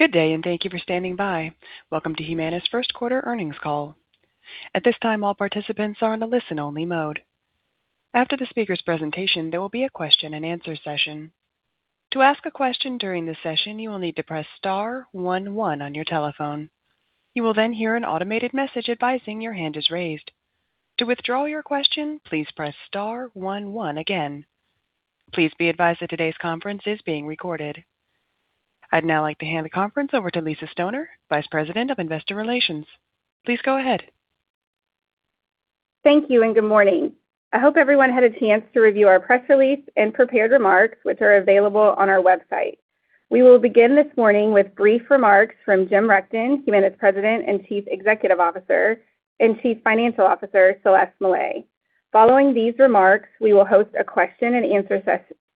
Good day, and thank you for standing by. Welcome to Humana's first quarter earnings call. At this time, all participants are in a listen-only mode. After the speaker's presentation, there will be a question-and-answer session. To ask a question during the session, you will need to press star one one on your telephone. You will then hear an automated message advising your hand is raised. To withdraw your question, please press star one one again. Please be advised that today's conference is being recorded. I'd now like to hand the conference over to Lisa Stoner, Vice President of Investor Relations. Please go ahead. Thank you, and good morning. I hope everyone had a chance to review our press release and prepared remarks, which are available on our website. We will begin this morning with brief remarks from Jim Rechtin, Humana's President and Chief Executive Officer, and Chief Financial Officer, Celeste Mellet. Following these remarks, we will host a question-and-answer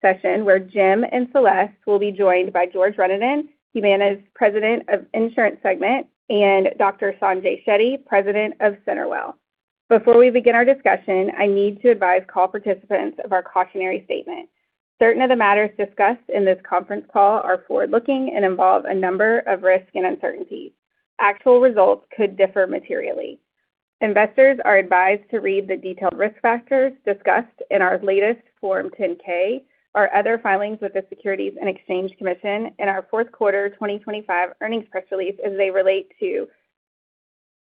session where Jim and Celeste will be joined by George Renaudin, Humana's President of Insurance Segment, and Dr. Sanjay Shetty, President of CenterWell. Before we begin our discussion, I need to advise call participants of our cautionary statement. Certain of the matters discussed in this conference call are forward-looking and involve a number of risks and uncertainties. Actual results could differ materially. Investors are advised to read the detailed risk factors discussed in our latest Form 10-K or other filings with the SEC in our fourth quarter 2025 earnings press release as they relate to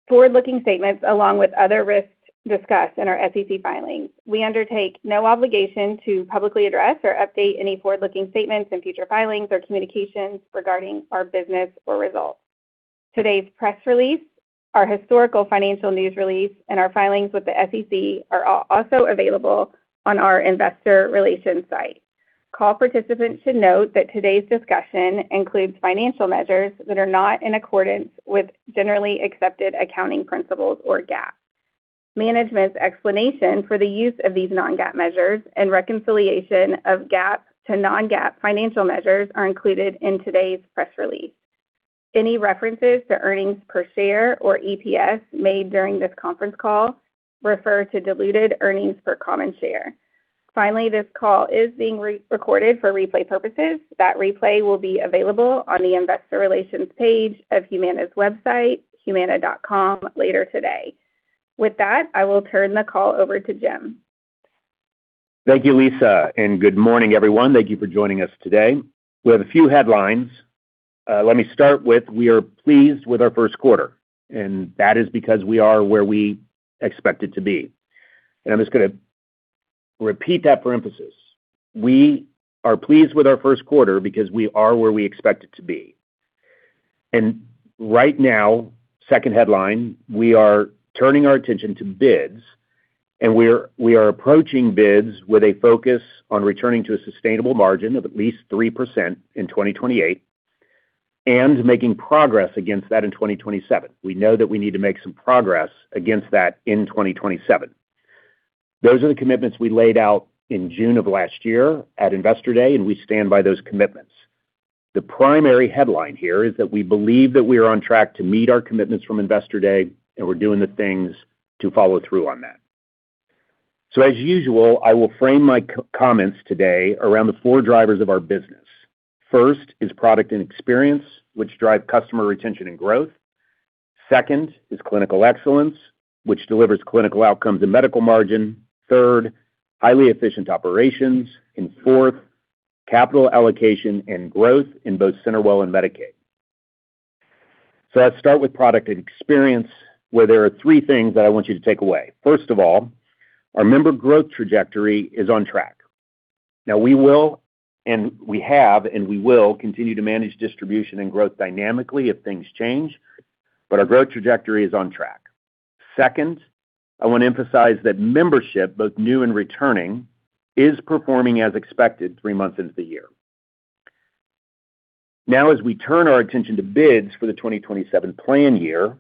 forward-looking statements, along with other risks discussed in our SEC filings. We undertake no obligation to publicly address or update any forward-looking statements in future filings or communications regarding our business or results. Today's press release, our historical financial news release, and our filings with the SEC are also available on our investor relations site. Call participants should note that today's discussion includes financial measures that are not in accordance with generally accepted accounting principles, or GAAP. Management's explanation for the use of these non-GAAP measures and reconciliation of GAAP to non-GAAP financial measures are included in today's press release. Any references to earnings per share or EPS made during this conference call refer to diluted earnings per common share. Finally, this call is being re-recorded for replay purposes. That replay will be available on the investor relations page of Humana's website, humana.com, later today. With that, I will turn the call over to Jim. Thank you, Lisa. Good morning, everyone. Thank you for joining us today. We have a few headlines. Let me start with we are pleased with our first quarter, and that is because we are where we expect it to be. I'm just gonna repeat that for emphasis. We are pleased with our first quarter because we are where we expect it to be. Right now, second headline, we are turning our attention to bids, and we are approaching bids with a focus on returning to a sustainable margin of at least 3% in 2028 and making progress against that in 2027. We know that we need to make some progress against that in 2027. Those are the commitments we laid out in June of last year at Investor Day, and we stand by those commitments. The primary headline here is that we believe that we are on track to meet our commitments from Investor Day, and we're doing the things to follow through on that. As usual, I will frame my comments today around the four drivers of our business. First is product and experience, which drive customer retention and growth. Second is clinical excellence, which delivers clinical outcomes and medical margin. Third, highly efficient operations. Fourth, capital allocation and growth in both CenterWell and Medicaid. Let's start with product and experience, where there are three things that I want you to take away. First of all, our member growth trajectory is on track. Now we will, and we have, and we will continue to manage distribution and growth dynamically if things change, but our growth trajectory is on track. Second, I want to emphasize that membership, both new and returning, is performing as expected three months into the year. As we turn our attention to bids for the 2027 plan year,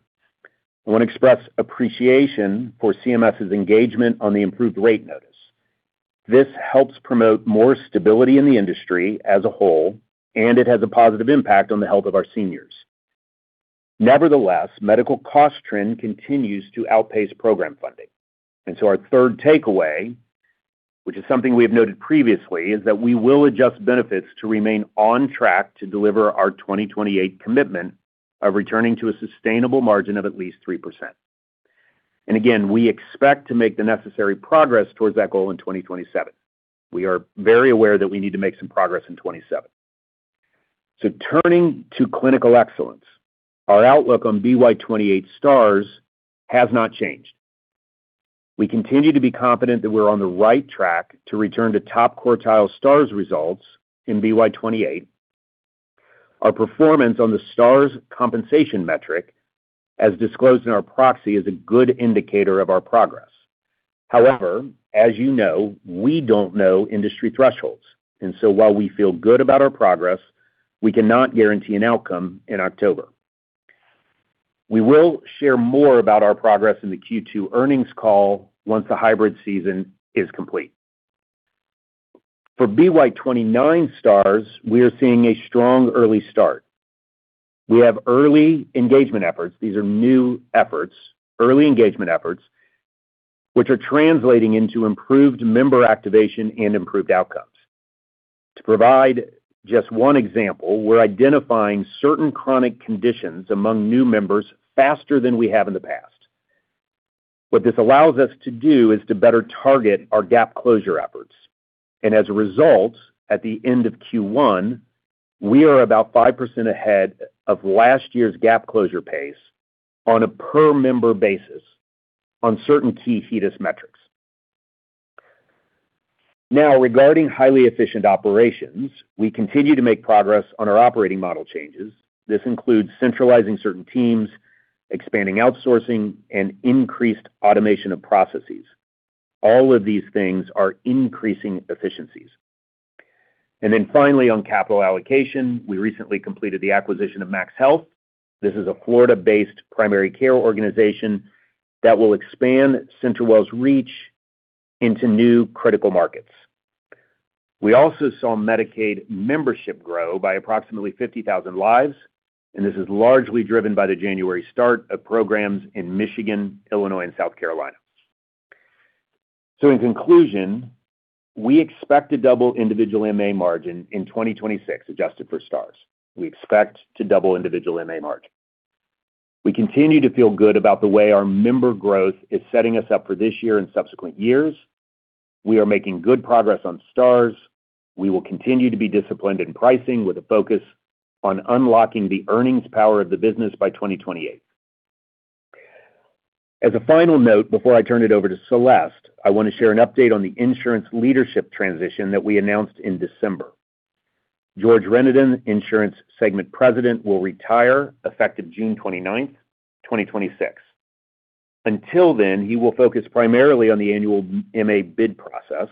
I want to express appreciation for CMS's engagement on the improved rate notice. This helps promote more stability in the industry as a whole, and it has a positive impact on the health of our seniors. Nevertheless, medical cost trend continues to outpace program funding. Our third takeaway, which is something we have noted previously, is that we will adjust benefits to remain on track to deliver our 2028 commitment of returning to a sustainable margin of at least 3%. We expect to make the necessary progress towards that goal in 2027. We are very aware that we need to make some progress in 2027. Turning to clinical excellence, our outlook on PY 2028 Stars has not changed. We continue to be confident that we're on the right track to return to top quartile Stars results in PY 2028. Our performance on the Stars compensation metric, as disclosed in our proxy, is a good indicator of our progress. However, as you know, we don't know industry thresholds. While we feel good about our progress, we cannot guarantee an outcome in October. We will share more about our progress in the Q2 earnings call once the hybrid season is complete. For PY 2029 Stars, we are seeing a strong early start. We have early engagement efforts. These are new efforts, early engagement efforts which are translating into improved member activation and improved outcomes. To provide just one example, we're identifying certain chronic conditions among new members faster than we have in the past. What this allows us to do is to better target our gap closure efforts. As a result, at the end of Q1, we are about 5% ahead of last year's gap closure pace on a per member basis on certain key HEDIS metrics. Now, regarding highly efficient operations, we continue to make progress on our operating model changes. This includes centralizing certain teams, expanding outsourcing, and increased automation of processes. All of these things are increasing efficiencies. Finally, on capital allocation, we recently completed the acquisition of MaxHealth. This is a Florida-based primary care organization that will expand CenterWell's reach into new critical markets. We also saw Medicaid membership grow by approximately 50,000 lives, and this is largely driven by the January start of programs in Michigan, Illinois, and South Carolina. In conclusion, we expect to double individual MA margin in 2026, adjusted for stars. We expect to double individual MA margin. We continue to feel good about the way our member growth is setting us up for this year and subsequent years. We are making good progress on stars. We will continue to be disciplined in pricing with a focus on unlocking the earnings power of the business by 2028. As a final note, before I turn it over to Celeste, I want to share an update on the Insurance leadership transition that we announced in December. George Renaudin, Insurance Segment President, will retire effective June 29th, 2026. Until then, he will focus primarily on the annual MA bid process,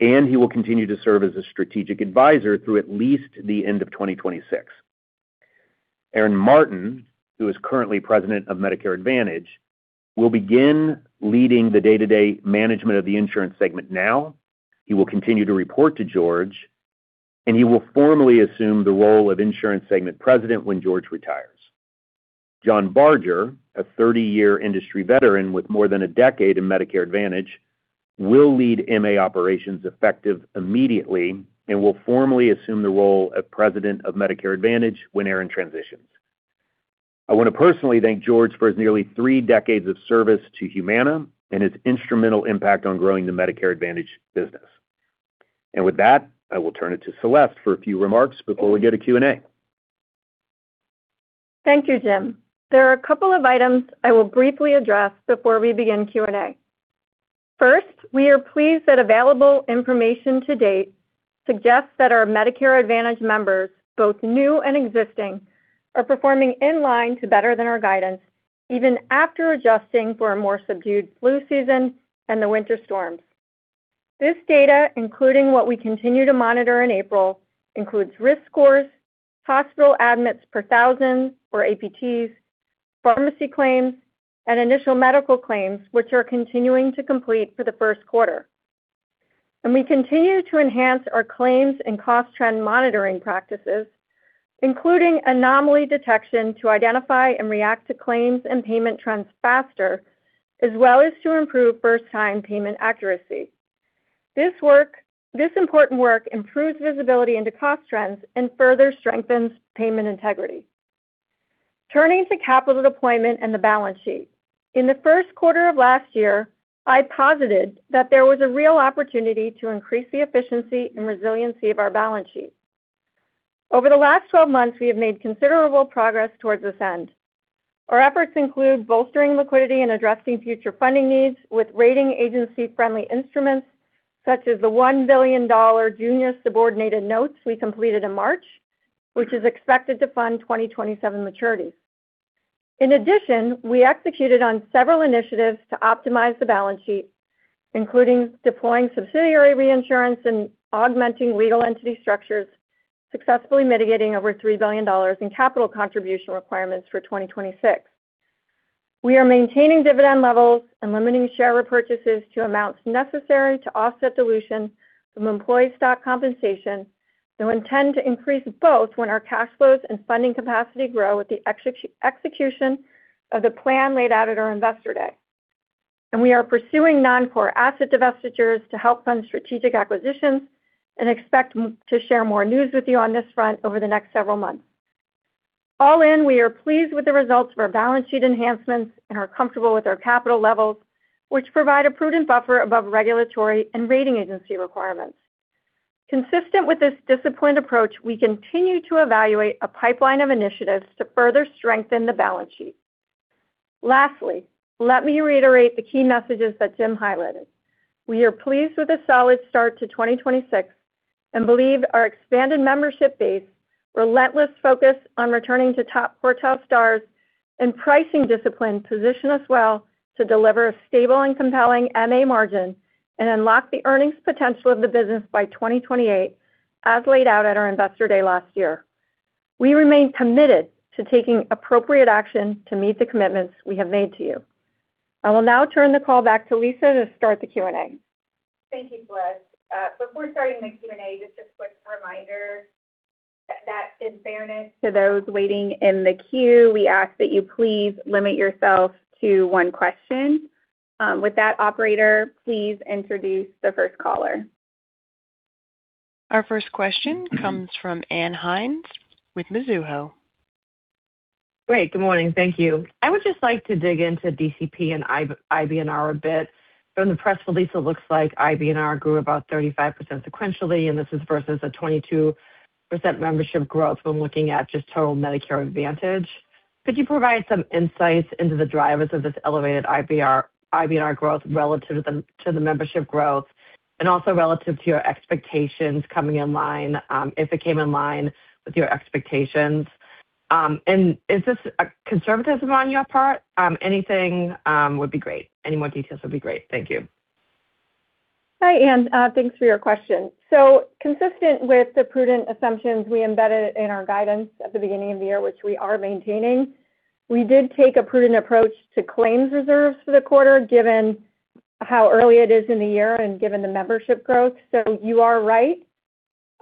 and he will continue to serve as a strategic advisor through at least the end of 2026. Aaron Martin, who is currently President of Medicare Advantage, will begin leading the day-to-day management of the Insurance Segment now. He will continue to report to George. He will formally assume the role of Insurance Segment President when George retires. John Barger, a 30-year industry veteran with more than a decade in Medicare Advantage, will lead MA operations effective immediately. He will formally assume the role of President of Medicare Advantage when Aaron transitions. I want to personally thank George for his nearly three decades of service to Humana and his instrumental impact on growing the Medicare Advantage business. With that, I will turn it to Celeste for a few remarks before we go to Q&A. Thank you, Jim. There are a couple of items I will briefly address before we begin Q&A. First, we are pleased that available information to date suggests that our Medicare Advantage members, both new and existing, are performing in line to better than our guidance, even after adjusting for a more subdued flu season and the winter storms. This data, including what we continue to monitor in April, includes risk scores, hospital admits per thousand, or APTs, pharmacy claims, and initial medical claims, which are continuing to complete for the first quarter. We continue to enhance our claims and cost trend monitoring practices, including anomaly detection to identify and react to claims and payment trends faster, as well as to improve first-time payment accuracy. This important work improves visibility into cost trends and further strengthens payment integrity. Turning to capital deployment and the balance sheet. In the first quarter of last year, I posited that there was a real opportunity to increase the efficiency and resiliency of our balance sheet. Over the last 12 months, we have made considerable progress towards this end. Our efforts include bolstering liquidity and addressing future funding needs with rating agency friendly instruments, such as the $1 billion junior subordinated notes we completed in March, which is expected to fund 2027 maturities. In addition, we executed on several initiatives to optimize the balance sheet, including deploying subsidiary reinsurance and augmenting legal entity structures, successfully mitigating over $3 billion in capital contribution requirements for 2026. We are maintaining dividend levels and limiting share repurchases to amounts necessary to offset dilution from employee stock compensation and intend to increase both when our cash flows and funding capacity grow with the execution of the plan laid out at our Investor Day. We are pursuing non-core asset divestitures to help fund strategic acquisitions and expect to share more news with you on this front over the next several months. All in, we are pleased with the results of our balance sheet enhancements and are comfortable with our capital levels, which provide a prudent buffer above regulatory and rating agency requirements. Consistent with this disciplined approach, we continue to evaluate a pipeline of initiatives to further strengthen the balance sheet. Lastly, let me reiterate the key messages that Jim highlighted. We are pleased with the solid start to 2026 and believe our expanded membership base, relentless focus on returning to top quartile Stars, and pricing discipline position us well to deliver a stable and compelling MA margin and unlock the earnings potential of the business by 2028, as laid out at our Investor Day last year. We remain committed to taking appropriate action to meet the commitments we have made to you. I will now turn the call back to Lisa to start the Q&A. Thank you, Celeste. Before starting the Q&A, just a quick reminder that in fairness to those waiting in the queue, we ask that you please limit yourself to one question. With that, operator, please introduce the first caller. Our first question comes from Ann Hynes with Mizuho. Great. Good morning. Thank you. I would just like to dig into DCP and IBNR a bit. From the press release, it looks like IBNR grew about 35% sequentially, and this is versus a 22% membership growth when looking at just total Medicare Advantage. Could you provide some insights into the drivers of this elevated IBNR growth relative to the, to the membership growth and also relative to your expectations coming in line, if it came in line with your expectations? Is this a conservatism on your part? Anything would be great. Any more details would be great. Thank you. Hi, Ann. Thanks for your question. Consistent with the prudent assumptions we embedded in our guidance at the beginning of the year, which we are maintaining, we did take a prudent approach to claims reserves for the quarter, given how early it is in the year and given the membership growth. You are right.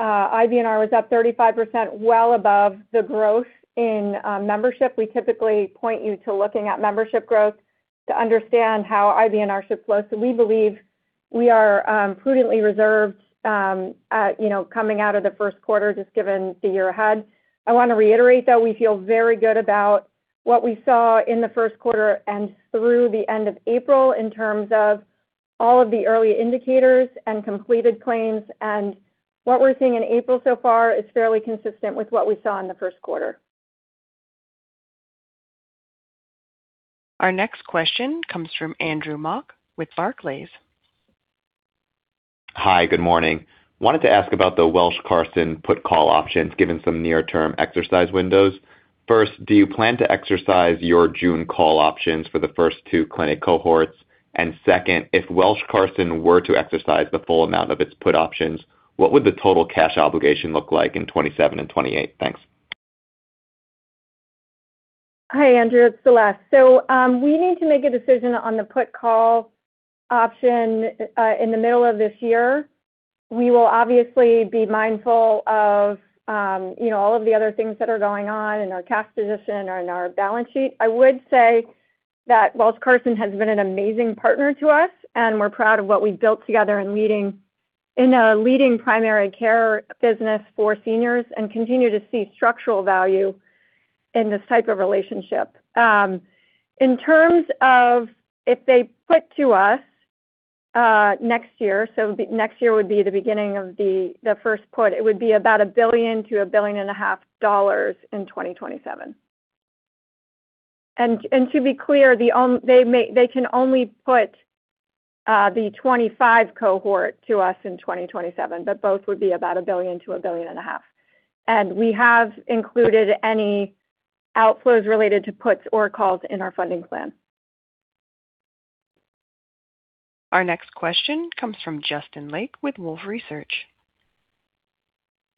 IBNR was up 35%, well above the growth in membership. We typically point you to looking at membership growth to understand how IBNR should flow. We believe we are prudently reserved, you know, coming out of the first quarter, just given the year ahead. I want to reiterate that we feel very good about what we saw in the first quarter and through the end of April in terms of all of the early indicators and completed claims. What we're seeing in April so far is fairly consistent with what we saw in the first quarter. Our next question comes from Andrew Mok with Barclays. Hi, good morning. Wanted to ask about the Welsh, Carson put call options, given some near-term exercise windows. First, do you plan to exercise your June call options for the first two clinic cohorts? Second, if Welsh, Carson were to exercise the full amount of its put options, what would the total cash obligation look like in 2027 and 2028? Thanks. Hi, Andrew. It's Celeste. We need to make a decision on the put call option in the middle of this year. We will obviously be mindful of, you know, all of the other things that are going on in our cash position or in our balance sheet. I would say that Welsh, Carson has been an amazing partner to us, and we're proud of what we've built together in a leading primary care business for seniors and continue to see structural value in this type of relationship. In terms of if they put to us next year, next year would be the beginning of the first put, it would be about $1 billion-$1.5 billion in 2027. To be clear, they can only put the 2025 cohort to us in 2027, but both would be about $1 billion to a billion and a half. We have included any outflows related to puts or calls in our funding plan. Our next question comes from Justin Lake with Wolfe Research.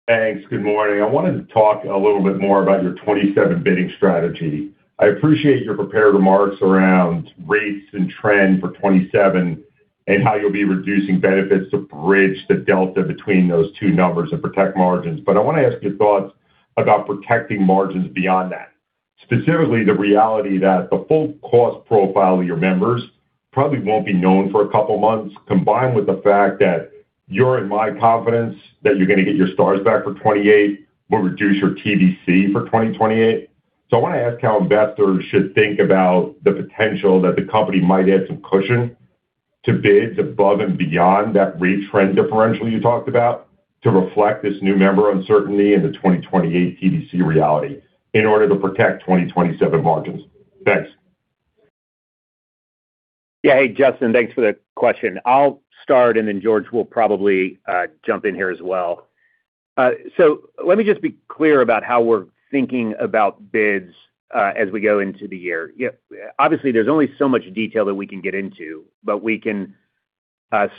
Thanks. Good morning. I wanted to talk a little bit more about your 2027 bidding strategy. I appreciate your prepared remarks around rates and trend for 2027 and how you'll be reducing benefits to bridge the delta between those two numbers and protect margins. I want to ask your thoughts about protecting margins beyond that. Specifically, the reality that the full cost profile of your members probably won't be known for a couple of months, combined with the fact that you're in my confidence that you're going to get your stars back for 2028 will reduce your TVC for 2028. I want to ask how investors should think about the potential that the company might add some cushion to bid above and beyond that rate trend differential you talked about to reflect this new member uncertainty in the 2028 TVC reality in order to protect 2027 margins. Thanks. Hey, Justin. Thanks for the question. I'll start, and then George will probably jump in here as well. Let me just be clear about how we're thinking about bids as we go into the year. You know, obviously, there's only so much detail that we can get into, but we can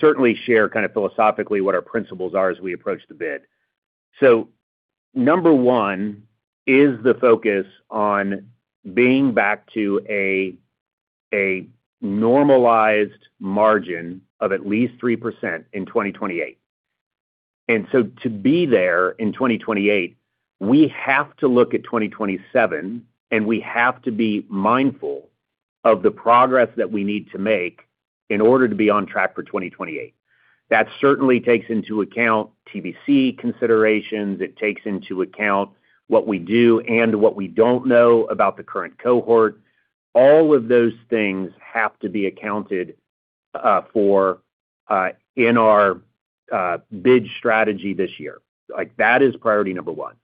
certainly share kind of philosophically what our principles are as we approach the bid. Number one is the focus on being back to a normalized margin of at least 3% in 2028. To be there in 2028, we have to look at 2027, and we have to be mindful of the progress that we need to make in order to be on track for 2028. That certainly takes into account TVC considerations. It takes into account what we do and what we don't know about the current cohort. All of those things have to be accounted for in our bid strategy this year. That is priority number one.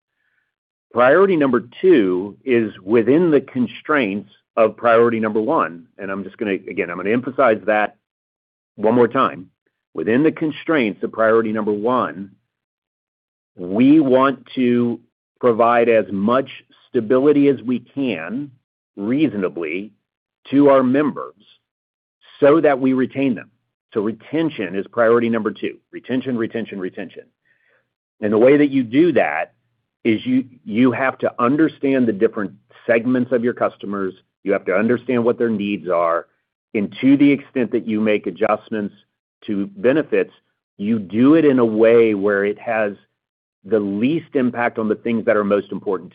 Priority number two is within the constraints of priority number one, I'm just going to, again, I'm going to emphasize that one more time. Within the constraints of priority number one, we want to provide as much stability as we can reasonably to our members so that we retain them. Retention is priority number two. Retention, retention. The way that you do that is you have to understand the different segments of your customers. You have to understand what their needs are. To the extent that you make adjustments to benefits, you do it in a way where it has the least impact on the things that are most important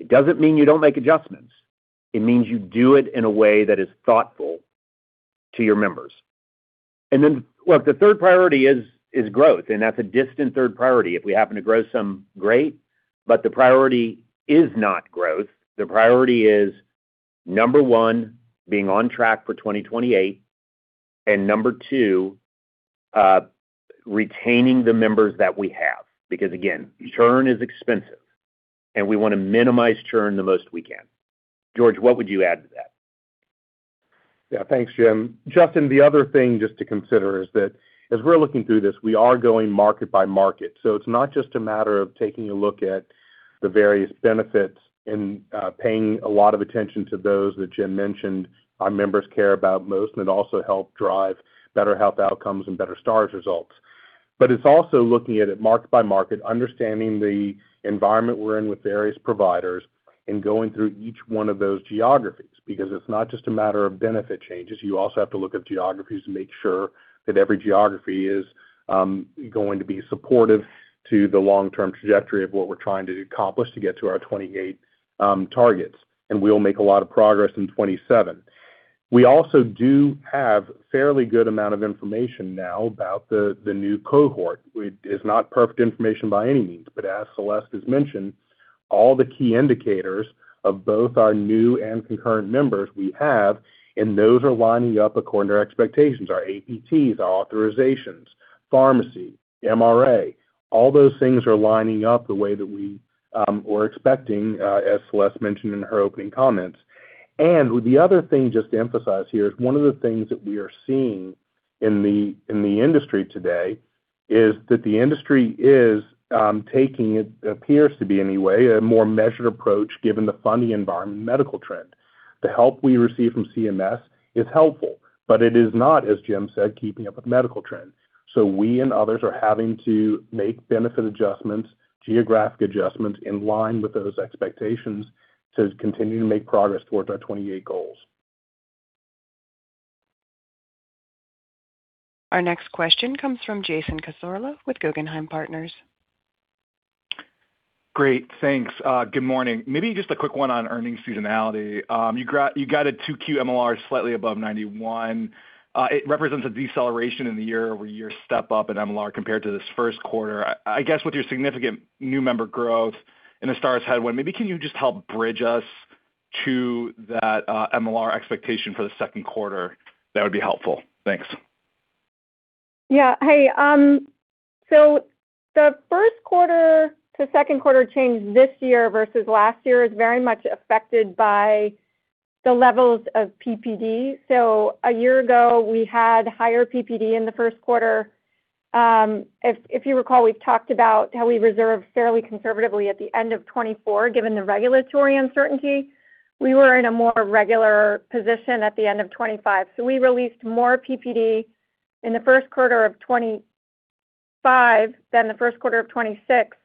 to them. It doesn't mean you don't make adjustments. It means you do it in a way that is thoughtful to your members. Look, the third priority is growth, and that's a distant third priority. If we happen to grow some, great, but the priority is not growth. The priority is, number 1, being on track for PY 2028, and number two, retaining the members that we have. Again, churn is expensive, and we wanna minimize churn the most we can. George, what would you add to that? Thanks, Jim. Justin, the other thing just to consider is that as we're looking through this, we are going market by market. It's not just a matter of taking a look at the various benefits and paying a lot of attention to those that Jim mentioned our members care about most, and it also help drive better health outcomes and better Star Ratings results. It's also looking at it market by market, understanding the environment we're in with various providers and going through each one of those geographies. It's not just a matter of benefit changes, you also have to look at geographies and make sure that every geography is going to be supportive to the long-term trajectory of what we're trying to accomplish to get to our PY 2028 targets. We'll make a lot of progress in 2027. We also do have fairly good amount of information now about the new cohort. It's not perfect information by any means, but as Celeste has mentioned, all the key indicators of both our new and concurrent members we have, and those are lining up according to expectations. Our APTs, our authorizations, pharmacy, MRA, all those things are lining up the way that we were expecting, as Celeste mentioned in her opening comments. The other thing just to emphasize here is one of the things that we are seeing in the, in the industry today is that the industry is taking, it appears to be anyway, a more measured approach given the funding environment medical trend. The help we receive from CMS is helpful, but it is not, as Jim said, keeping up with medical trends. We and others are having to make benefit adjustments, geographic adjustments in line with those expectations to continue to make progress towards our 2028 goals. Our next question comes from Jason Cassorla with Guggenheim Partners. Great. Thanks. Good morning. Maybe just a quick one on earnings seasonality. You guided 2Q MLR slightly above 91. It represents a deceleration in the YoY step-up in MLR compared to this first quarter. I guess with your significant new member growth and the Star Ratings headwind, maybe can you just help bridge us to that MLR expectation for the second quarter? That would be helpful. Thanks. Yeah. Hey, the first quarter to second quarter change this year versus last year is very much affected by the levels of PPD. A year ago, we had higher PPD in the first quarter. If you recall, we've talked about how we reserved fairly conservatively at the end of 2024, given the regulatory uncertainty. We were in a more regular position at the end of 2025. We released more PPD in the first quarter of 2025 than the first quarter of 2026,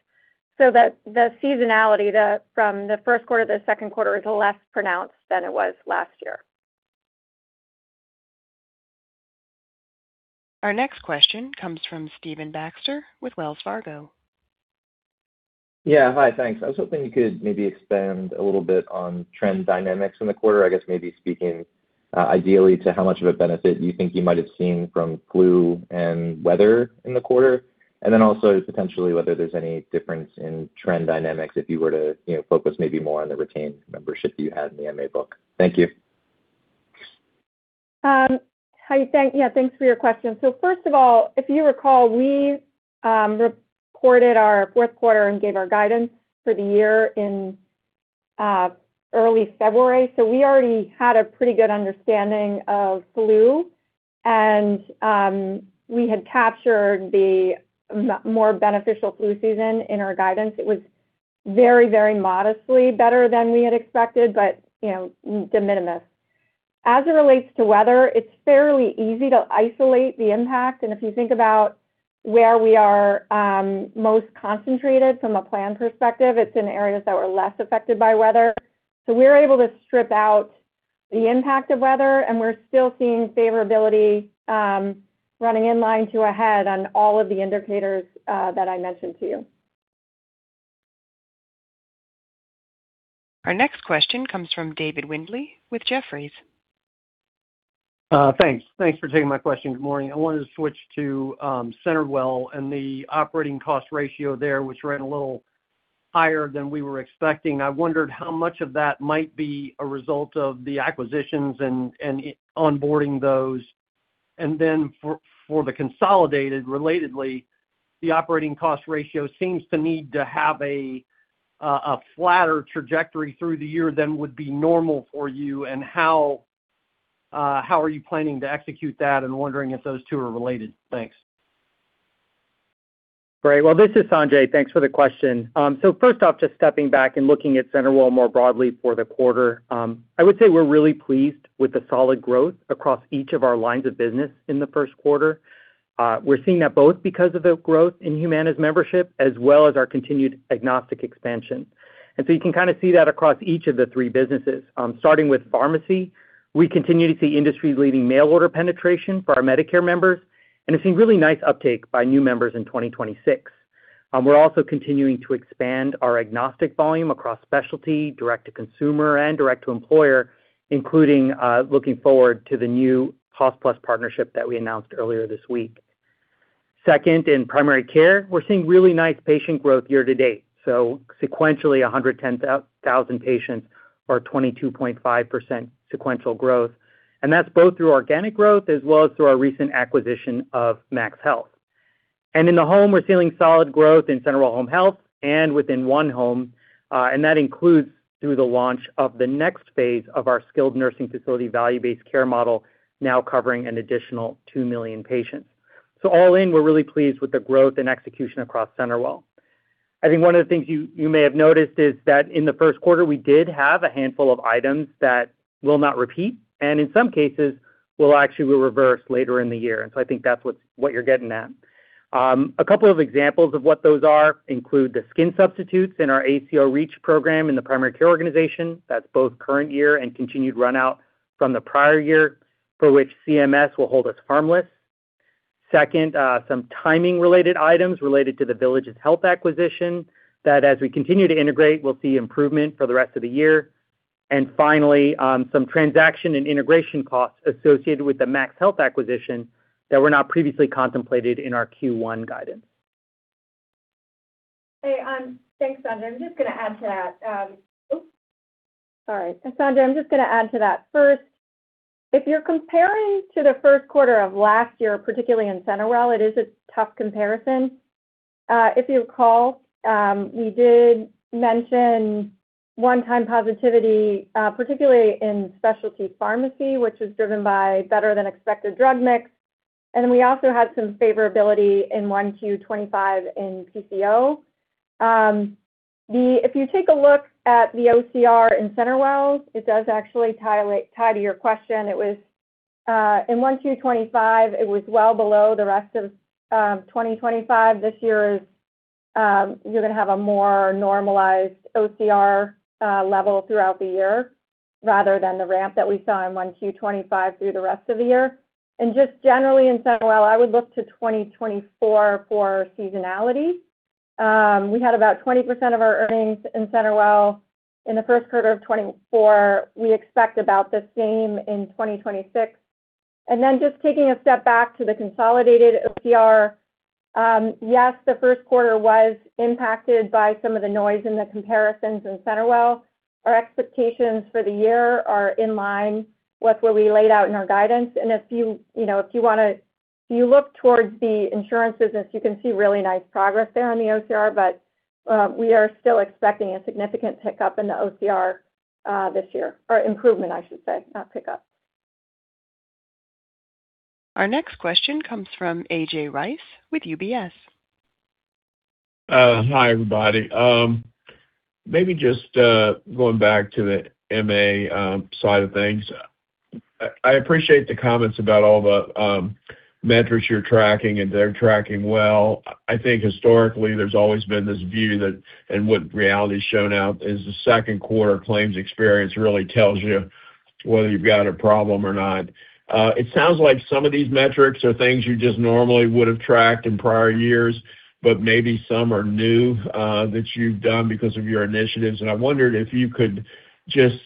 so that the seasonality from the first quarter to the second quarter is less pronounced than it was last year. Our next question comes from Stephen Baxter with Wells Fargo. Yeah. Hi. Thanks. I was hoping you could maybe expand a little bit on trend dynamics in the quarter. I guess maybe speaking ideally to how much of a benefit you think you might have seen from flu and weather in the quarter. Also potentially whether there's any difference in trend dynamics if you were to, you know, focus maybe more on the retained membership you had in the MA book. Thank you. Hi. Thank you. Yeah, thanks for your question. First of all, if you recall, we reported our fourth quarter and gave our guidance for the year in early February. We already had a pretty good understanding of flu, and we had captured the more beneficial flu season in our guidance. It was very, very modestly better than we had expected, but, you know, de minimis. As it relates to weather, it's fairly easy to isolate the impact. If you think about where we are most concentrated from a plan perspective, it's in areas that were less affected by weather. We're able to strip out the impact of weather, and we're still seeing favorability running in line to ahead on all of the indicators that I mentioned to you. Our next question comes from David Windley with Jefferies. Thanks. Thanks for taking my question. Good morning. I wanted to switch to CenterWell and the operating cost ratio there, which ran a little higher than we were expecting. I wondered how much of that might be a result of the acquisitions and onboarding those. Then for the consolidated relatedly, the operating cost ratio seems to need to have a, a flatter trajectory through the year than would be normal for you. How are you planning to execute that, and wondering if those two are related? Thanks. Great. Well, this is Sanjay. Thanks for the question. First off, just stepping back and looking at CenterWell more broadly for the quarter, I would say we're really pleased with the solid growth across each of our lines of business in the first quarter. We're seeing that both because of the growth in Humana's membership as well as our continued agnostic expansion. You can kind of see that across each of the three businesses. Starting with pharmacy, we continue to see industry-leading mail order penetration for our Medicare members, and we've seen really nice uptake by new members in 2026. We're also continuing to expand our agnostic volume across specialty, direct-to-consumer, and direct-to-employer, including looking forward to the new Cost Plus partnership that we announced earlier this week. Second, in primary care, we're seeing really nice patient growth year to date, so sequentially 110,000 patients or 22.5% sequential growth. That's both through organic growth as well as through our recent acquisition of MaxHealth. In the home, we're seeing solid growth in CenterWell Home Health and within onehome, and that includes through the launch of the next phase of our skilled nursing facility value-based care model, now covering an additional 2 million patients. All in, we're really pleased with the growth and execution across CenterWell. I think one of the things you may have noticed is that in the first quarter, we did have a handful of items that will not repeat, and in some cases, will actually reverse later in the year. I think that's what you're getting at. A couple of examples of what those are include the skin substitutes in our ACO REACH program in the primary care organization. That's both current year and continued run out from the prior year, for which CMS will hold us harmless. Second, some timing-related items related to The Villages Health acquisition that as we continue to integrate, we'll see improvement for the rest of the year. Finally, some transaction and integration costs associated with the MaxHealth acquisition that were not previously contemplated in our Q1 guidance. Hey, thanks, Sanjay. I'm just gonna add to that. Oops. Sorry. Sanjay, I'm just gonna add to that. First, if you're comparing to the first quarter of last year, particularly in CenterWell, it is a tough comparison. If you recall, we did mention one-time positivity, particularly in specialty pharmacy, which was driven by better than expected drug mix. We also had some favorability in 1Q 2025 in PCO. If you take a look at the OCR in CenterWell, it does actually tie to your question. It was in 1Q 2025, it was well below the rest of 2025. This year is, you're gonna have a more normalized OCR level throughout the year rather than the ramp that we saw in 1Q 2025 through the rest of the year. In CenterWell, I would look to 2024 for seasonality. We had about 20% of our earnings in CenterWell in the first quarter of 2024. We expect about the same in 2026. Taking a step back to the consolidated OCR, yes, the first quarter was impacted by some of the noise in the comparisons in CenterWell. Our expectations for the year are in line with what we laid out in our guidance. If you know, if you look towards the insurance business, you can see really nice progress there on the OCR, but we are still expecting a significant pickup in the OCR this year. Or improvement, I should say, not pickup. Our next question comes from A.J. Rice with UBS. Hi, everybody. Maybe just going back to the MA side of things. I appreciate the comments about all the metrics you're tracking, and they're tracking well. I think historically, there's always been this view that, and what reality's shown now is the second quarter claims experience really tells you whether you've got a problem or not. It sounds like some of these metrics are things you just normally would have tracked in prior years, but maybe some are new that you've done because of your initiatives. I wondered if you could just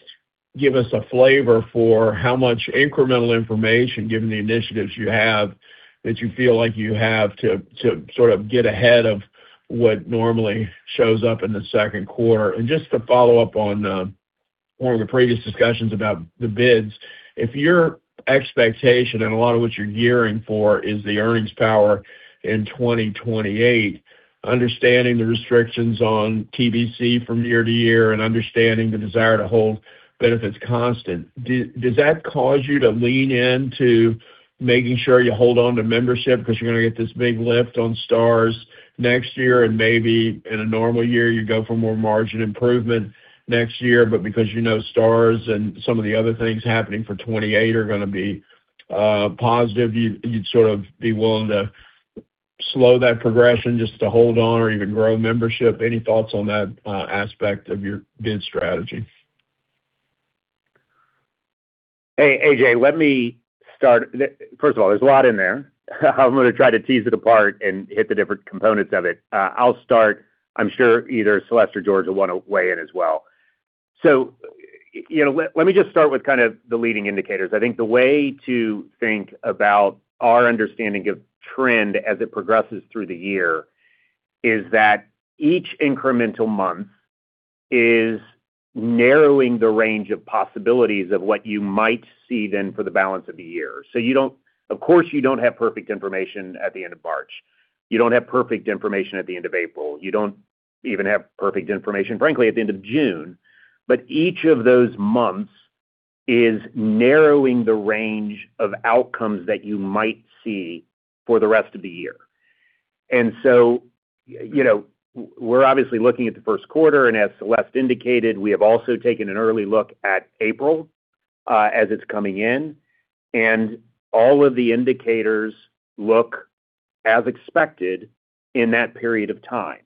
give us a flavor for how much incremental information, given the initiatives you have, that you feel like you have to sort of get ahead of what normally shows up in the second quarter. Just to follow up on one of the previous discussions about the bids. If your expectation and a lot of what you're gearing for is the earnings power in 2028, understanding the restrictions on TBC from year to year and understanding the desire to hold benefits constant, does that cause you to lean in to making sure you hold on to membership because you're gonna get this big lift on stars next year, and maybe in a normal year you go for more margin improvement next year, but because you know stars and some of the other things happening for 28 are gonna be positive, you'd sort of be willing to slow that progression just to hold on or even grow membership? Any thoughts on that aspect of your bid strategy? Hey, A.J., let me start. First of all, there's a lot in there. I'm gonna try to tease it apart and hit the different components of it. I'll start. I'm sure either Celeste or George will wanna weigh in as well. You know, let me just start with kind of the leading indicators. I think the way to think about our understanding of trend as it progresses through the year is that each incremental month is narrowing the range of possibilities of what you might see then for the balance of the year. Of course, you don't have perfect information at the end of March. You don't have perfect information at the end of April. You don't even have perfect information, frankly, at the end of June. Each of those months is narrowing the range of outcomes that you might see for the rest of the year. And so you know, we're obviously looking at the first quarter, and as Celeste indicated, we have also taken an early look at April, as it's coming in, and all of the indicators look as expected in that period of time.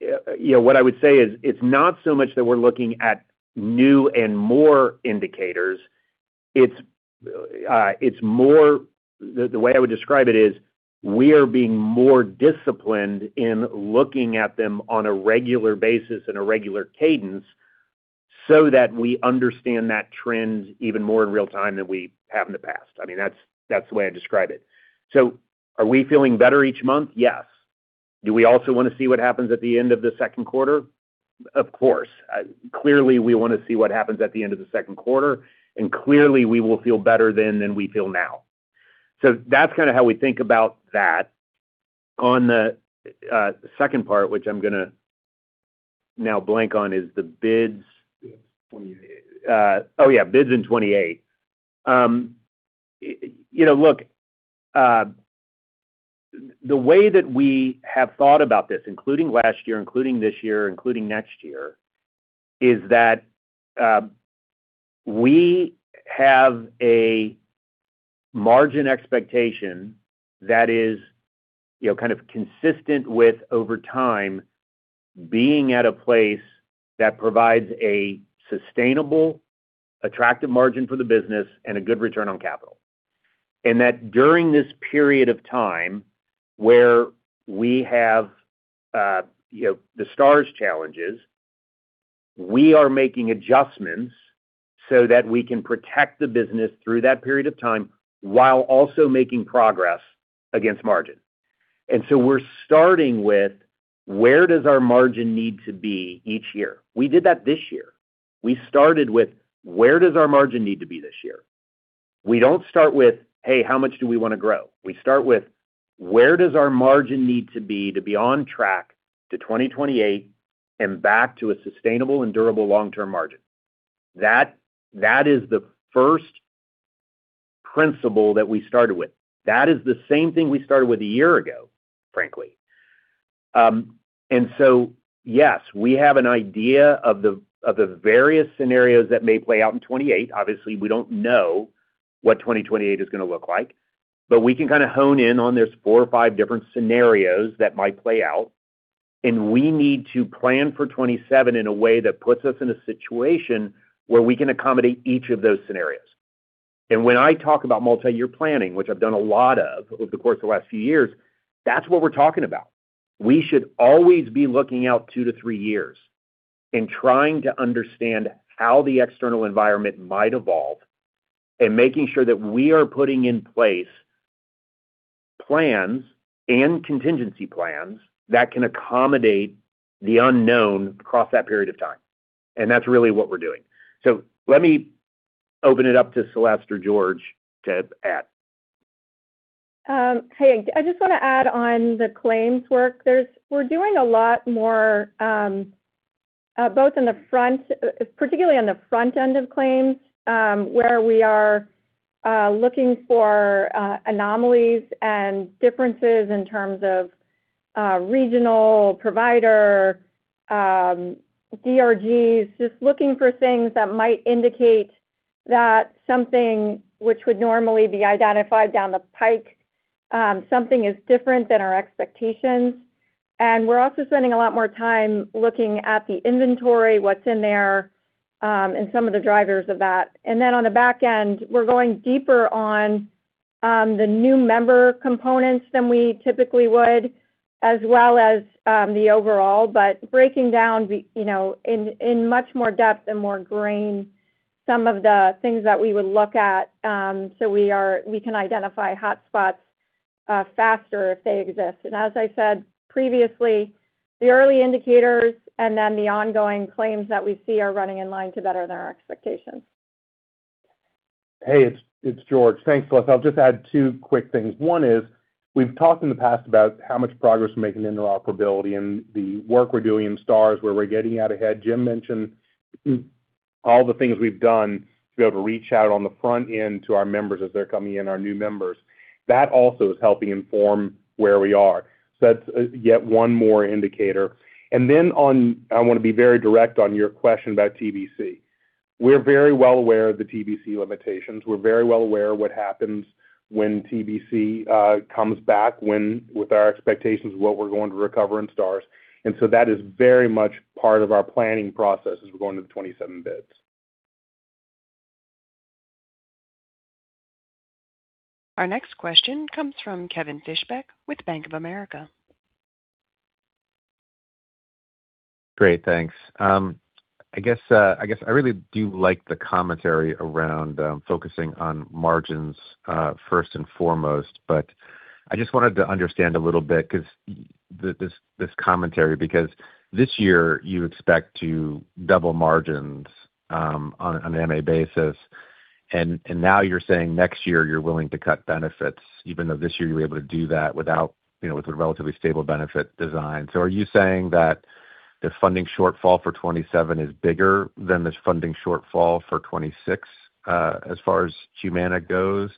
you know, what I would say is it's not so much that we're looking at new and more indicators. It's, it's more. The way I would describe it is we are being more disciplined in looking at them on a regular basis and a regular cadence so that we understand that trend even more in real time than we have in the past. I mean, that's the way I describe it. Are we feeling better each month? Yes. Do we also wanna see what happens at the end of the second quarter? Of course. Clearly, we wanna see what happens at the end of the second quarter. Clearly, we will feel better then than we feel now. That's kinda how we think about that. On the second part, which I'm gonna now blank on, is the bids. Bids in 2028. Bids in 2028. You know, look, the way that we have thought about this, including last year, including this year, including next year, is that, we have a margin expectation that is, you know, kind of consistent with over time being at a place that provides a sustainable, attractive margin for the business and a good return on capital. During this period of time where we have, you know, the Stars challenges, we are making adjustments so that we can protect the business through that period of time, while also making progress against margin. We're starting with where does our margin need to be each year? We did that this year. We started with where does our margin need to be this year? We don't start with, "Hey, how much do we wanna grow?" We start with, "Where does our margin need to be to be on track to 2028 and back to a sustainable and durable long-term margin?" That is the first principle that we started with. That is the same thing we started with a year ago, frankly. Yes, we have an idea of the various scenarios that may play out in 2028. Obviously, we don't know what 2028 is going to look like, but we can kind of hone in on there's four or five different scenarios that might play out, and we need to plan for 2027 in a way that puts us in a situation where we can accommodate each of those scenarios. When I talk about multi-year planning, which I've done a lot of over the course of the last few years, that's what we're talking about. We should always be looking out 2 years to 3 years and trying to understand how the external environment might evolve, and making sure that we are putting in place plans and contingency plans that can accommodate the unknown across that period of time, and that's really what we're doing. Let me open it up to Celeste or George to add. Hey, I just wanna add on the claims work. We're doing a lot more, both in the front, particularly on the front end of claims, where we are looking for anomalies and differences in terms of regional provider, DRGs, just looking for things that might indicate that something which would normally be identified down the pike, something is different than our expectations. We're also spending a lot more time looking at the inventory, what's in there, and some of the drivers of that. Then on the back end, we're going deeper on the new member components than we typically would, as well as, the overall. Breaking down, we, you know, in much more depth and more grain some of the things that we would look at. We can identify hotspots faster if they exist. As I said previously, the early indicators and then the ongoing claims that we see are running in line to better than our expectations. Hey, it's George. Thanks, Celeste. I'll just add two quick things. One is we've talked in the past about how much progress we're making in interoperability and the work we're doing in Stars, where we're getting out ahead. Jim mentioned all the things we've done to be able to reach out on the front end to our members as they're coming in, our new members. That also is helping inform where we are. That's yet one more indicator. I want to be very direct on your question about TBC. We're very well aware of the TBC limitations. We're very well aware what happens when TBC comes back, when with our expectations of what we're going to recover in Stars. That is very much part of our planning process as we're going to the 2027 bids. Our next question comes from Kevin Fischbeck with Bank of America. Great. Thanks. I guess, I guess I really do like the commentary around focusing on margins first and foremost. I just wanted to understand a little bit 'cause this commentary, because this year you expect to double margins on an MA basis, and now you're saying next year you're willing to cut benefits, even though this year you were able to do that, you know, with a relatively stable benefit design. Are you saying that the funding shortfall for 2027 is bigger than this funding shortfall for 2026, as far as Humana goes?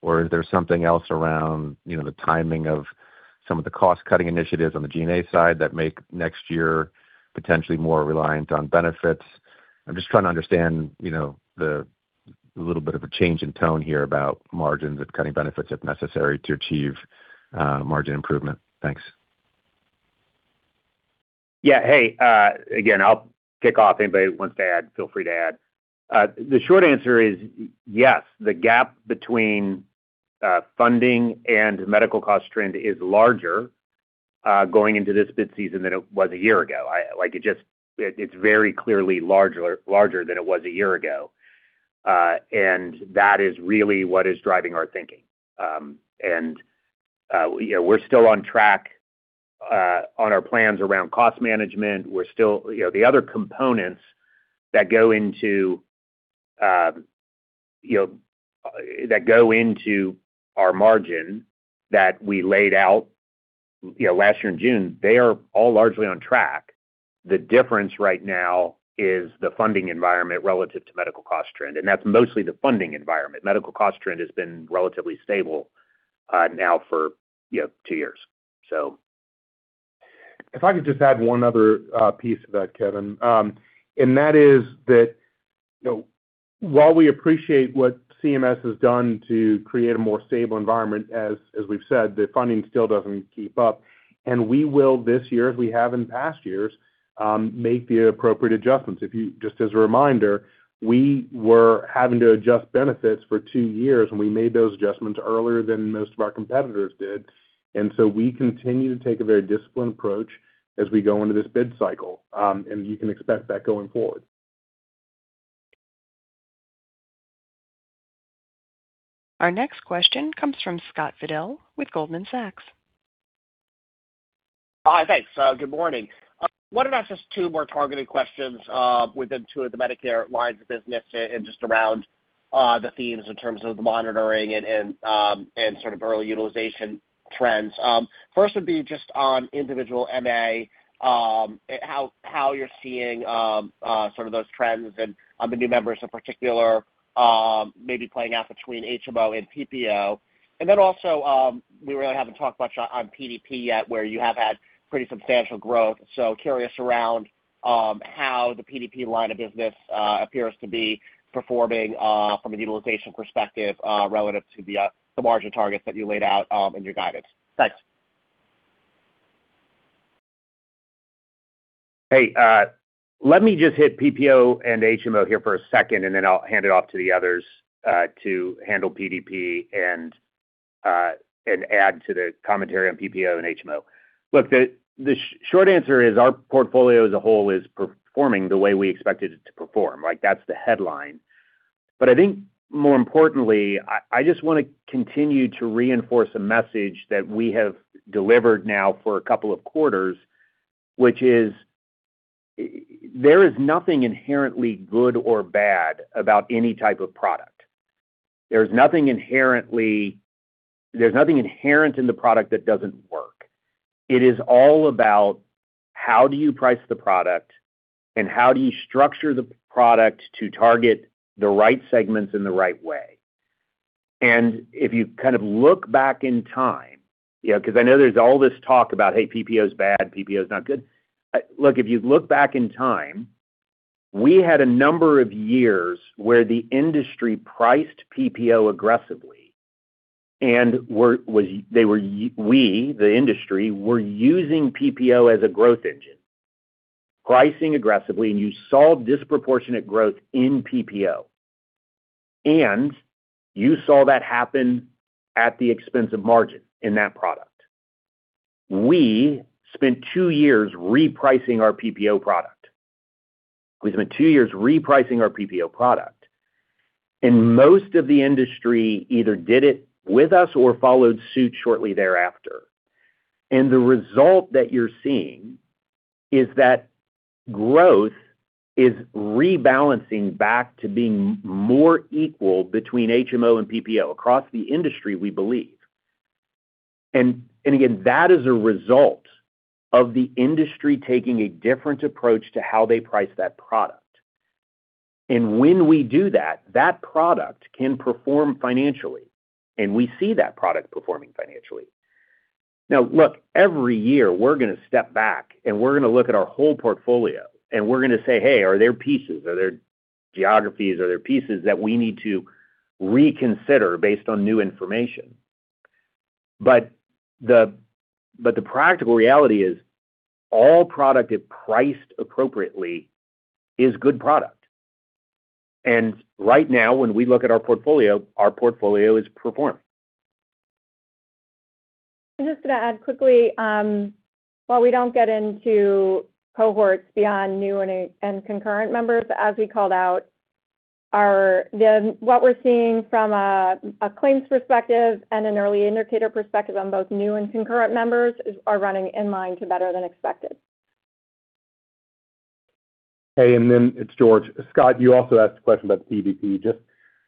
Or is there something else around, you know, the timing of some of the cost-cutting initiatives on the G&A side that make next year potentially more reliant on benefits? I'm just trying to understand, you know, the little bit of a change in tone here about margins and cutting benefits, if necessary, to achieve margin improvement. Thanks. Hey, again, I'll kick off. Anybody who wants to add, feel free to add. The short answer is, yes, the gap between funding and medical cost trend is larger going into this bid season than it was a year ago. It's very clearly larger than it was a year ago. That is really what is driving our thinking. You know, we're still on track on our plans around cost management. You know, the other components that go into, you know, that go into our margin that we laid out, you know, last year in June, they are all largely on track. The difference right now is the funding environment relative to medical cost trend, that's mostly the funding environment. Medical cost trend has been relatively stable, now for, you know, two years. If I could just add one other piece to that, Kevin. That is that, you know, while we appreciate what CMS has done to create a more stable environment, as we've said, the funding still doesn't keep up. We will, this year, as we have in past years, make the appropriate adjustments. Just as a reminder, we were having to adjust benefits for two years, and we made those adjustments earlier than most of our competitors did. We continue to take a very disciplined approach as we go into this bid cycle. You can expect that going forward. Our next question comes from Scott Fidel with Goldman Sachs. Thanks. Good morning. Wanted to ask just two more targeted questions within two of the Medicare lines of business and just around the themes in terms of the monitoring and sort of early utilization trends. First would be just on individual MA, how you're seeing sort of those trends and on the new members in particular, maybe playing out between HMO and PPO. Then also, we really haven't talked much on PDP yet, where you have had pretty substantial growth. Curious around how the PDP line of business appears to be performing from a utilization perspective relative to the margin targets that you laid out in your guidance. Thanks. Hey, let me just hit PPO and HMO here for a second, and then I'll hand it off to the others to handle PDP and add to the commentary on PPO and HMO. Look, the short answer is our portfolio as a whole is performing the way we expected it to perform. Like, that's the headline. I think more importantly, I just wanna continue to reinforce a message that we have delivered now for a couple of quarters, which is there is nothing inherently good or bad about any type of product. There's nothing inherent in the product that doesn't work. It is all about how do you price the product and how do you structure the product to target the right segments in the right way. If you kind of look back in time, you know, 'cause I know there's all this talk about, hey, PPO is bad, PPO is not good. Look, if you look back in time, we had a number of years where the industry priced PPO aggressively and was, we, the industry, were using PPO as a growth engine, pricing aggressively, and you saw disproportionate growth in PPO. You saw that happen at the expense of margin in that product. We spent two years repricing our PPO product. We spent two years repricing our PPO product, and most of the industry either did it with us or followed suit shortly thereafter. The result that you're seeing is that growth is rebalancing back to being more equal between HMO and PPO across the industry, we believe. Again, that is a result of the industry taking a different approach to how they price that product. When we do that product can perform financially, and we see that product performing financially. Look, every year, we're gonna step back, and we're gonna look at our whole portfolio, and we're gonna say, "Hey, are there pieces, are there geographies, are there pieces that we need to reconsider based on new information?" The practical reality is all product, if priced appropriately, is good product. Right now, when we look at our portfolio, our portfolio is performing. Just to add quickly, while we don't get into cohorts beyond new and concurrent members, as we called out, what we're seeing from a claims perspective and an early indicator perspective on both new and concurrent members is, are running in line to better than expected. Hey, it's George. Scott, you also asked a question about the PDP.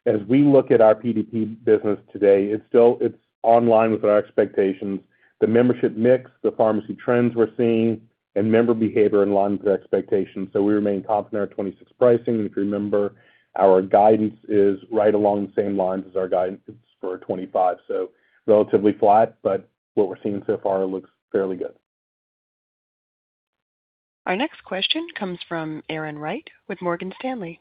As we look at our PDP business today, it's online with our expectations. The membership mix, the pharmacy trends we're seeing, and member behavior in line with expectations. We remain confident in our 2026 pricing. If you remember, our guidance is right along the same lines as our guidance for 2025. Relatively flat, what we're seeing so far looks fairly good. Our next question comes from Erin Wright with Morgan Stanley.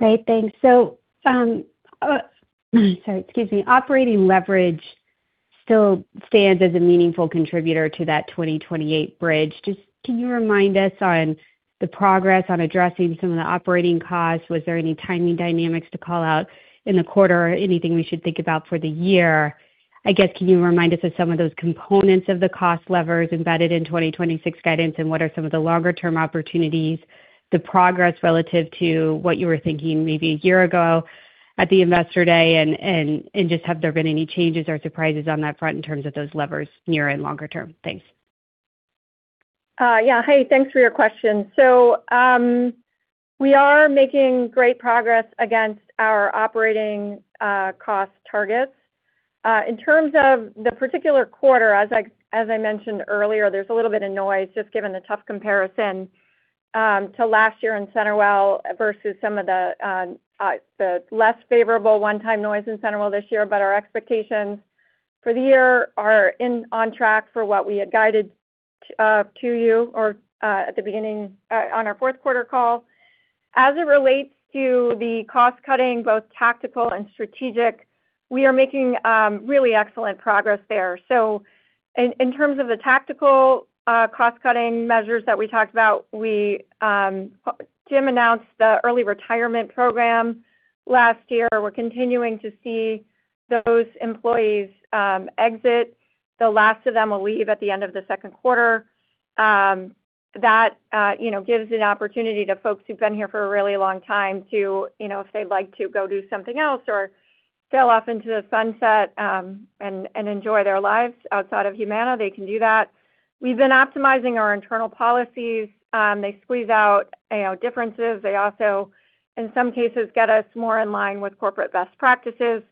Hey, thanks. sorry, excuse me. Operating leverage still stands as a meaningful contributor to that 2028 bridge. Can you remind us on the progress on addressing some of the operating costs? Was there any timing dynamics to call out in the quarter? Anything we should think about for the year? Can you remind us of some of those components of the cost levers embedded in 2026 guidance, and what are some of the longer-term opportunities, the progress relative to what you were thinking maybe a year ago at the Investor Day? Have there been any changes or surprises on that front in terms of those levers near and longer term? Thanks. Yeah, thanks for your question. We are making great progress against our operating cost targets. In terms of the particular quarter, as I mentioned earlier, there's a little bit of noise, just given the tough comparison to last year in CenterWell versus some of the less favorable one-time noise in CenterWell this year. Our expectations for the year are on track for what we had guided to you or at the beginning on our fourth quarter call. As it relates to the cost-cutting, both tactical and strategic, we are making really excellent progress there. In terms of the tactical cost-cutting measures that we talked about, we, Jim announced the early retirement program last year. We're continuing to see those employees exit. The last of them will leave at the end of the second quarter. That, you know, gives an opportunity to folks who've been here for a really long time to, you know, if they'd like to go do something else or sail off into the sunset, and enjoy their lives outside of Humana, they can do that. We've been optimizing our internal policies. They squeeze out, you know, differences. They also, in some cases, get us more in line with corporate best practices.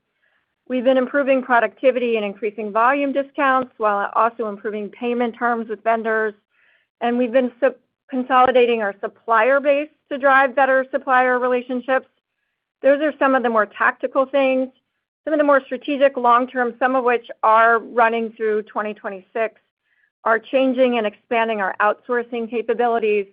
We've been improving productivity and increasing volume discounts while also improving payment terms with vendors. We've been consolidating our supplier base to drive better supplier relationships. Those are some of the more tactical things. Some of the more strategic long term, some of which are running through 2026, are changing and expanding our outsourcing capabilities.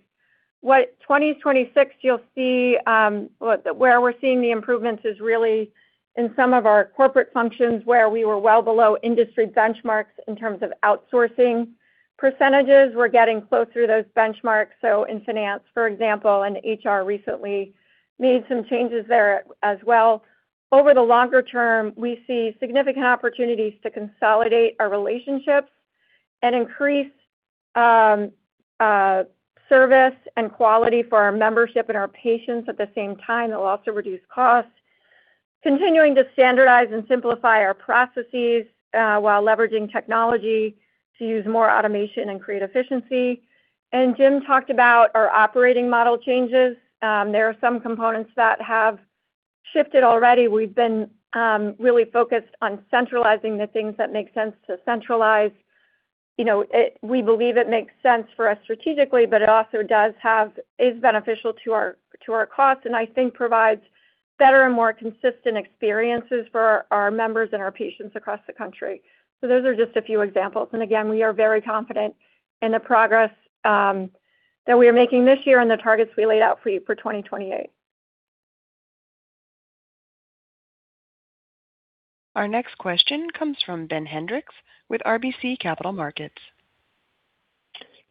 2026, you'll see, where we're seeing the improvements is really in some of our corporate functions where we were well below industry benchmarks in terms of outsourcing percentages. We're getting closer to those benchmarks. In finance, for example, and HR recently made some changes there as well. Over the longer term, we see significant opportunities to consolidate our relationships and increase service and quality for our membership and our patients at the same time. It'll also reduce costs. Continuing to standardize and simplify our processes, while leveraging technology to use more automation and create efficiency. Jim talked about our operating model changes. There are some components that have shifted already. We've been really focused on centralizing the things that make sense to centralize. You know, we believe it makes sense for us strategically, but it also is beneficial to our costs, and I think provides better and more consistent experiences for our members and our patients across the country. Those are just a few examples. Again, we are very confident in the progress that we are making this year and the targets we laid out for you for 2028. Our next question comes from Ben Hendrix with RBC Capital Markets.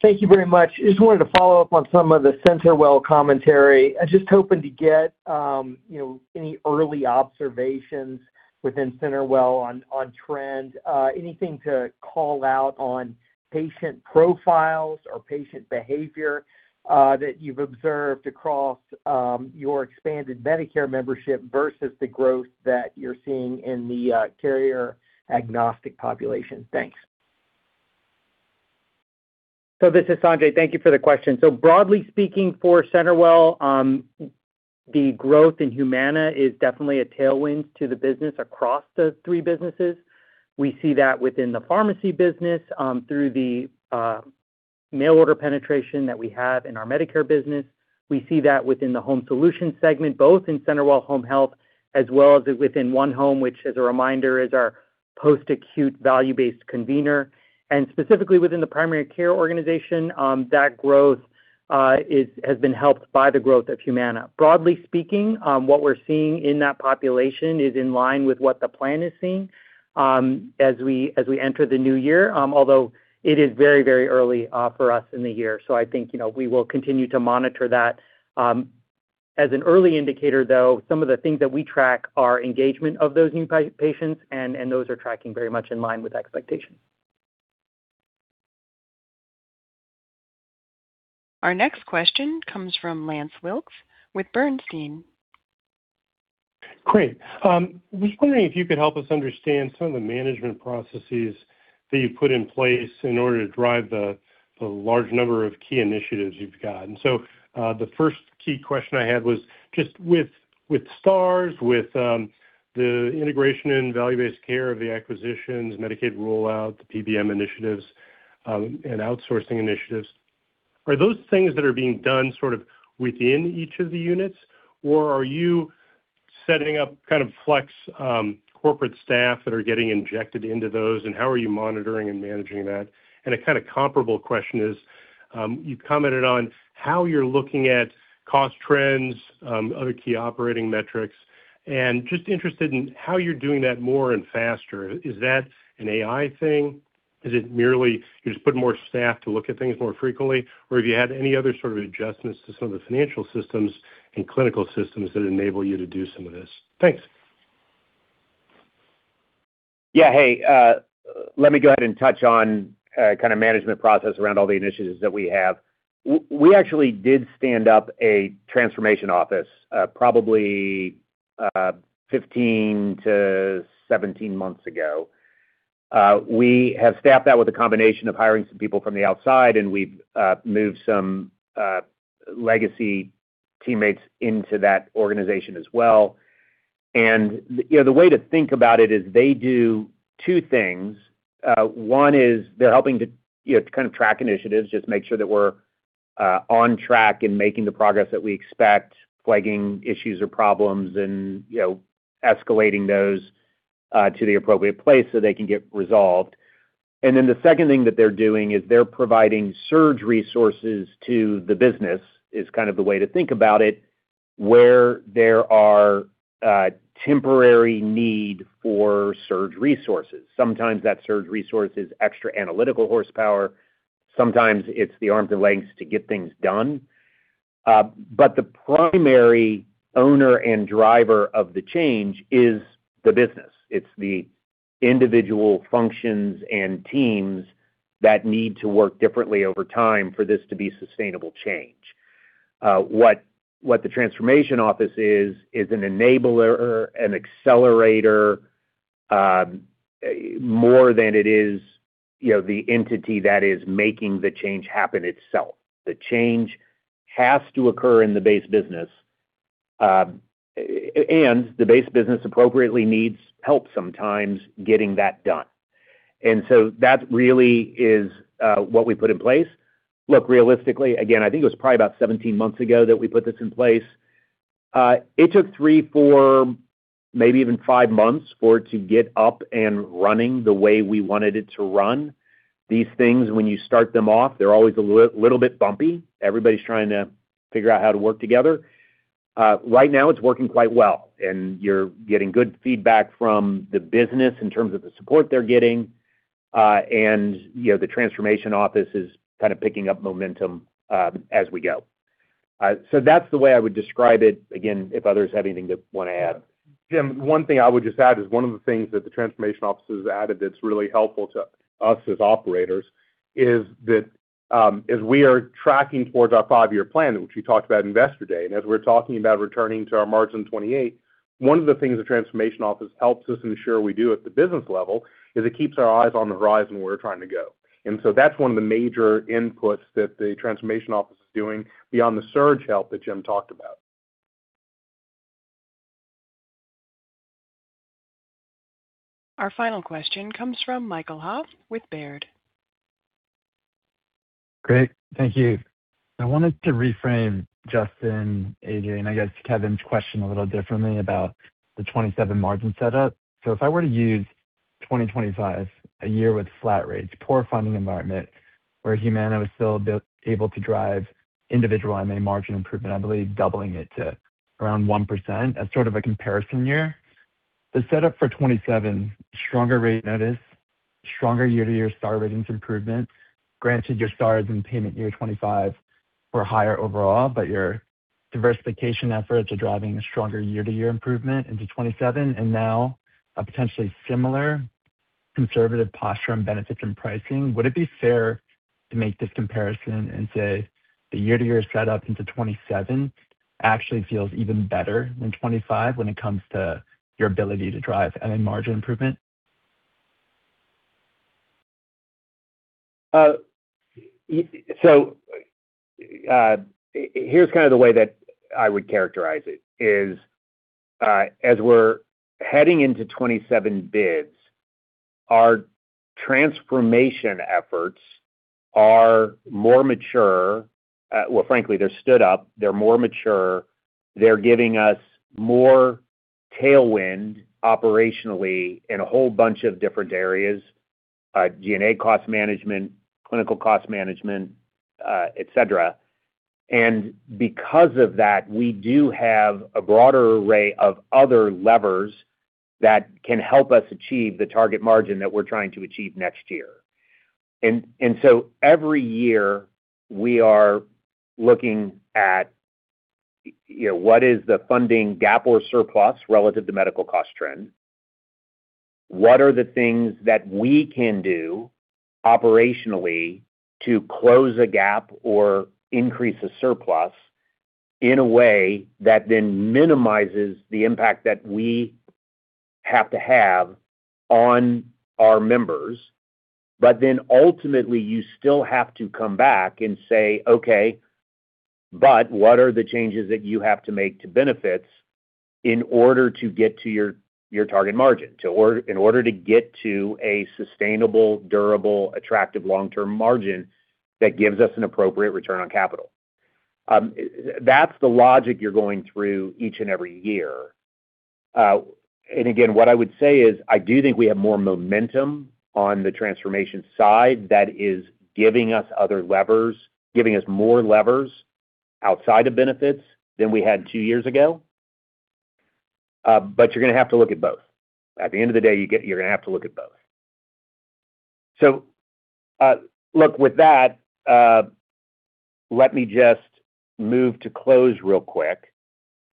Thank you very much. Just wanted to follow up on some of the CenterWell commentary. I was just hoping to get, you know, any early observations within CenterWell on trend. Anything to call out on patient profiles or patient behavior, that you've observed across, your expanded Medicare membership versus the growth that you're seeing in the, carrier-agnostic population? Thanks. This is Sanjay. Thank you for the question. Broadly speaking, for CenterWell, the growth in Humana is definitely a tailwind to the business across the three businesses. We see that within the pharmacy business, through the mail order penetration that we have in our Medicare business. We see that within the home solutions segment, both in CenterWell Home Health as well as within onehome, which as a reminder, is our post-acute value-based convener. Specifically within the primary care organization, that growth has been helped by the growth of Humana. Broadly speaking, what we're seeing in that population is in line with what the plan is seeing, as we enter the new year. Although it is very, very early for us in the year. I think, you know, we will continue to monitor that. As an early indicator, though, some of the things that we track are engagement of those new patients, and those are tracking very much in line with expectations. Our next question comes from Lance Wilkes with Bernstein. Great. I was wondering if you could help us understand some of the management processes that you've put in place in order to drive the large number of key initiatives you've got. The first key question I had was just with Stars, with, the integration and value-based care of the acquisitions, Medicaid rollout, the PBM initiatives, and outsourcing initiatives, are those things that are being done sort of within each of the units, or are you setting up kind of flex, corporate staff that are getting injected into those, and how are you monitoring and managing that? A kinda comparable question is, you've commented on how you're looking at cost trends, other key operating metrics, and just interested in how you're doing that more and faster. Is that an AI thing? Is it merely you're just putting more staff to look at things more frequently? Have you had any other sort of adjustments to some of the financial systems and clinical systems that enable you to do some of this? Thanks. Yeah. Hey, let me go ahead and touch on kinda management process around all the initiatives that we have. We actually did stand up a Transformation Office, probably 15 months to 17 months ago. We have staffed that with a combination of hiring some people from the outside, and we've moved some legacy teammates into that organization as well. You know, the way to think about it is they do two things. One is they're helping to, you know, to kind of track initiatives, just make sure that we're on track in making the progress that we expect, flagging issues or problems and, you know, escalating those to the appropriate place so they can get resolved. The second thing that they're doing is they're providing surge resources to the business, is kind of the way to think about it, where there are a temporary need for surge resources. Sometimes that surge resource is extra analytical horsepower. Sometimes it's the arms and legs to get things done. The primary owner and driver of the change is the business. It's the individual functions and teams that need to work differently over time for this to be sustainable change. What the Transformation Office is an enabler, an accelerator, more than it is, you know, the entity that is making the change happen itself. The change has to occur in the base business, and the base business appropriately needs help sometimes getting that done. That really is what we put in place. Look, realistically, again, I think it was probably about 17 months ago that we put this in place. It took three, four, maybe even five months for it to get up and running the way we wanted it to run. These things, when you start them off, they're always a little bit bumpy. Everybody's trying to figure out how to work together. Right now it's working quite well, and you're getting good feedback from the business in terms of the support they're getting. And, you know, the Transformation Office is kind of picking up momentum as we go. That's the way I would describe it. Again, if others have anything to want to add. Jim, one thing I would just add is one of the things that the Transformation Office has added that's really helpful to us as operators is that, as we are tracking towards our five-year plan, which we talked about Investor Day, and as we're talking about returning to our margin 2028, one of the things the Transformation Office helps us ensure we do at the business level is it keeps our eyes on the horizon where we're trying to go. That's one of the major inputs that the Transformation Office is doing beyond the surge help that Jim talked about. Our final question comes from Michael Ha with Baird. Great. Thank you. I wanted to reframe Justin, A.J., I guess Kevin's question a little differently about the 2027 margin setup. If I were to use 2025, a year with flat rates, poor funding environment, where Humana was still able to drive individual MA margin improvement, I believe doubling it to around 1% as sort of a comparison year. The setup for 2027, stronger rate notice, stronger year-to-year Star Ratings improvement. Granted, your stars in Payment Year 2025 were higher overall, but your diversification efforts are driving a stronger year-to-year improvement into 2027 and now a potentially similar conservative posture on benefits and pricing. Would it be fair to make this comparison and say the year-to-year setup into 2027 actually feels even better than 2025 when it comes to your ability to drive MA margin improvement? Here's kinda the way that I would characterize it, as we're heading into 2027 bids, our transformation efforts are more mature. Well, frankly, they're stood up, they're more mature. They're giving us more tailwind operationally in a whole bunch of different areas, G&A cost management, clinical cost management, et cetera. Because of that, we do have a broader array of other levers that can help us achieve the target margin that we're trying to achieve next year. Every year we are looking at, you know, what is the funding gap or surplus relative to medical cost trend? What are the things that we can do operationally to close a gap or increase a surplus in a way that then minimizes the impact that we have to have on our members? Ultimately, you still have to come back and say, "Okay, but what are the changes that you have to make to benefits in order to get to your target margin, in order to get to a sustainable, durable, attractive long-term margin that gives us an appropriate return on capital?" That's the logic you're going through each and every year. Again, what I would say is, I do think we have more momentum on the transformation side that is giving us other levers, giving us more levers outside of benefits than we had two years ago. But you're gonna have to look at both. At the end of the day, you're gonna have to look at both. Look, with that, let me just move to close real quick.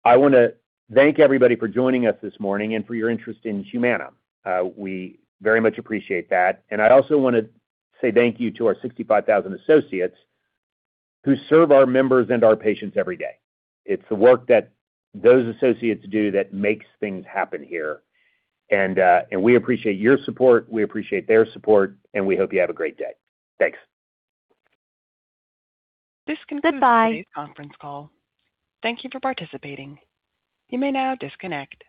I wanna thank everybody for joining us this morning and for your interest in Humana. We very much appreciate that. I also wanna say thank you to our 65,000 associates who serve our members and our patients every day. It's the work that those associates do that makes things happen here. We appreciate your support, we appreciate their support, and we hope you have a great day. Thanks. This concludes today's conference call. Thank you for participating. You may now disconnect. Goodbye